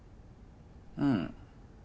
うん。